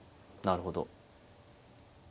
なるほど。